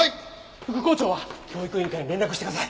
副校長は教育委員会に連絡してください。